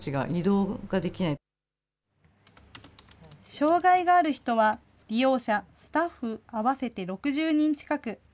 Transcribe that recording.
障害がある人は利用者、スタッフ合わせて６０人近く。